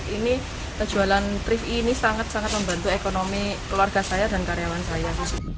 ini jualan trip ini sangat sangat membantu ekonomi keluarga saya dan karyawan saya